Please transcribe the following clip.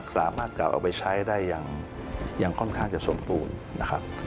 สามารถกลับเอาไปใช้ได้อย่างค่อนข้างสมบูรณ์